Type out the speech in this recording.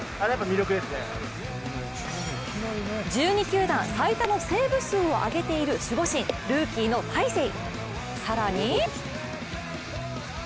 １２球団最多のセーブ数を挙げている守護神、ルーキーの大勢。